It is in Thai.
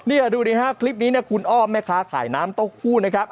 นี่ดูดิฮะคลิปนี้เนี่ยคุณอ้อมแม่ค้าขายน้ำเต้าหู้นะครับ